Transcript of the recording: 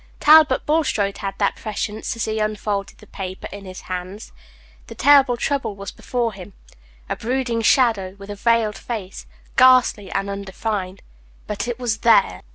Talbot Bulstrode had that prescience as he unfolded the paper in his hands. The horrible trouble was before him a brooding shadow, with a veiled face, ghastly and undefined; but it was there.